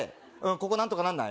ここ何とかなんない？